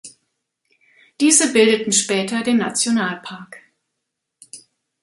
Diese bildeten später den Nationalpark.